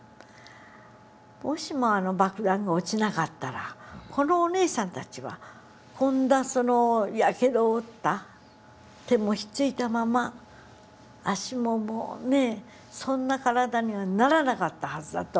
もしもあの爆弾が落ちなかったらこのおねえさんたちはこんなやけどを負った手もひっついたまま足ももうねそんな体にはならなかったはずだと思い